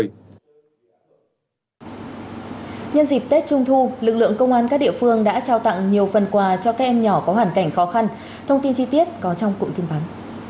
nhân dịp tết trung thu lực lượng công an các địa phương đã trao tặng nhiều phần quà cho các em nhỏ có hoàn cảnh khó khăn thông tin chi tiết có trong cụm tin bắn